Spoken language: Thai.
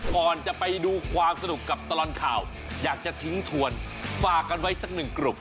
ก่อนจะไปดูความสนุกกับตลอดข่าวอยากจะทิ้งถวนฝากกันไว้สักหนึ่งกลุ่ม